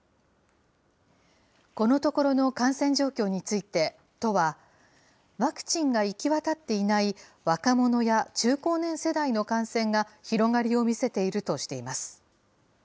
このところの感染状況について、都は、ワクチンが行き渡っていない若者や中高年世代の感染が広がりを見せているとしています。